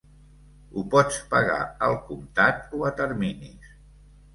Ho pots pagar al comptat o a terminis.